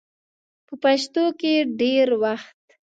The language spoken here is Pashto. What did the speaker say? په پښتو کې ډېر وخت